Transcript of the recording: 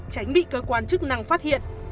tránh bị cơ quan chức năng phát hiện